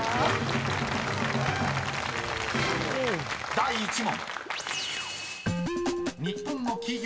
［第１問］